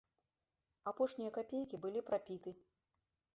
Апошнія капейкі былі прапіты.